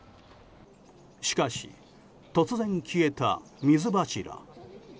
しかし、突然消えた水柱。